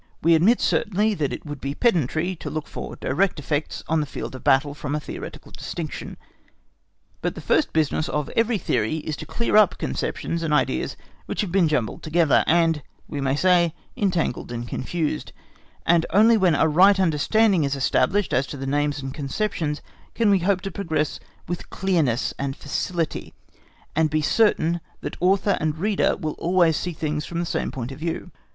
We admit, certainly that it would be pedantry to look for direct effects on the field of battle from a theoretical distinction. But the first business of every theory is to clear up conceptions and ideas which have been jumbled together, and, we may say, entangled and confused; and only when a right understanding is established, as to names and conceptions, can we hope to progress with clearness and facility, and be certain that author and reader will always see things from the same point of view.